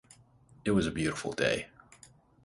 It was a beautiful day.